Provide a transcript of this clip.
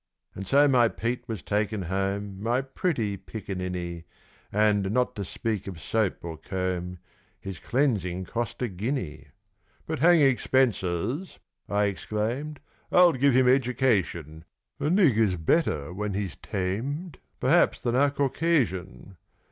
And so my Pete was taken home My pretty piccaninny! And, not to speak of soap or comb, His cleansing cost a guinea. "But hang expenses!" I exclaimed, "I'll give him education: A 'nig' is better when he's tamed, Perhaps, than a Caucasian.